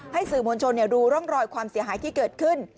สื่อมวลชนดูร่องรอยความเสียหายที่เกิดขึ้น